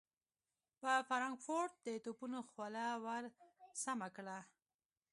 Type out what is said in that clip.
پر فرانکفورټ د توپونو خوله ور سمهکړه.